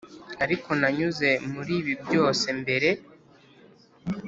ariko nanyuze muri ibi byose mbere,